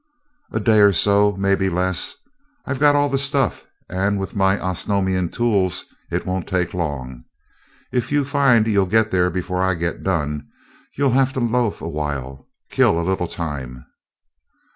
"A day or so maybe less. I've got all the stuff and with my Osnomian tools it won't take long. If you find you'll get there before I get done, you'll have to loaf a while kill a little time."